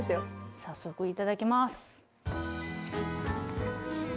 早速いただきます。